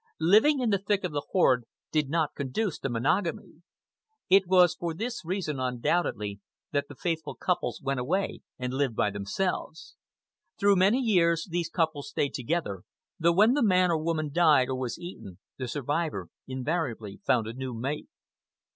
Living in the thick of the horde did not conduce to monogamy. It was for this reason, undoubtedly, that the faithful couples went away and lived by themselves. Through many years these couples stayed together, though when the man or woman died or was eaten the survivor invariably found a new mate.